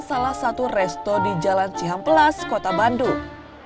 salah satu resto di jalan cihamplas kota bandung